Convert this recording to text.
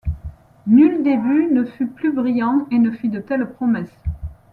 Nul début ne fut plus brillant et ne fit de telles promesses.